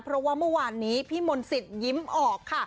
เพราะว่าเมื่อวานนี้พี่มนต์สิทธิ์ยิ้มออกค่ะ